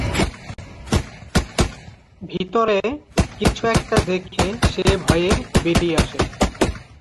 ভিতরে কিছু একটা দেখে সে ভয়ে বেড়িয়ে আসে।